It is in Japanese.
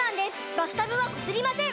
バスタブはこすりません！